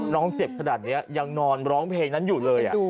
น้องเจ็บขนาดนี้ยังนอนร้องเพลงนั้นอยู่เลย